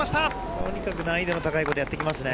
とにかく難易度の高いことをやってきますね。